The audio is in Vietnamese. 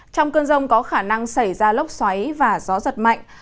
trong cơn rông có khả năng xảy ra lốc xoáy và gió giật mạnh